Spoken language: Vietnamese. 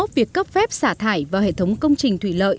việc cấp phép xả thải vào hệ thống công trình thủy lợi